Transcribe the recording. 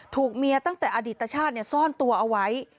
เมียตั้งแต่อดีตชาติซ่อนตัวเอาไว้